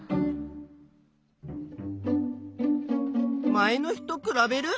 前の日とくらべる？